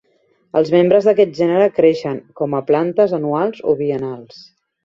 Els membres d'aquest gènere creixen com a plantes anuals o biennals.